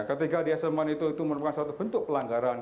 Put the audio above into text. ketika di assessment itu merupakan satu bentuk pelanggan